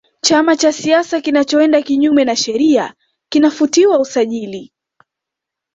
chama cha siasa kinachoenda kinyume na sheria kinafutiwa usajili